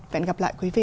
hẹn gặp lại quý vị